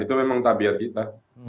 itu memang tabiat kita